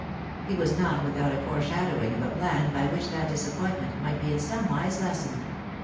He was not without a foreshadowing of a plan by which that disappointment might be in somewise lessened.